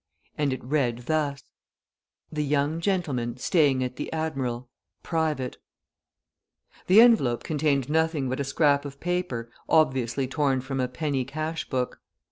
And it read thus: "THE YOUNG GENTLEMAN STAYING AT 'THE ADMIRAL' PRIVATE" The envelope contained nothing but a scrap of paper obviously torn from a penny cash book.